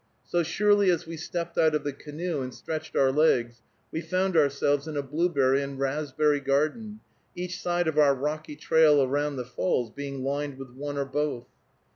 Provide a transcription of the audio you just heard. So surely as we stepped out of the canoe and stretched our legs we found ourselves in a blueberry and raspberry garden, each side of our rocky trail around the falls being lined with one or both.